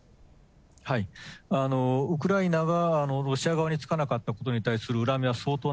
ウクライナがロシア側につかなかったことに対する恨みは相当